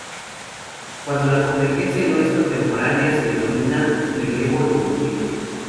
Cuando la convergencia no es contemporánea se denomina relevo evolutivo.